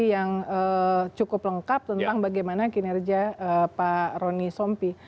yang cukup lengkap tentang bagaimana kinerja pak roni sompi